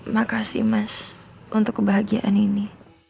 makasih mas untuk kebahagiaan ini